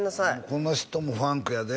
この人もファンクやで？